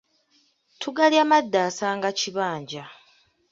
Tugalya madda, asanga kibanja.